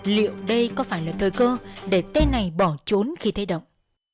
liệu đây có phải là thời cơ để tên này bỏ trốn khi thay động